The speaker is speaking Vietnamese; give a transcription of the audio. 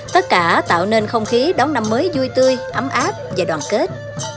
tất cả tạo nên không khí đón năm mới vui tươi ấm áp và đoàn kết